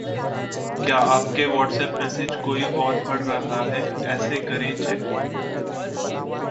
क्या आपके WhatsApp message कोई और पढ़ रहा है? ऐसे करें चेक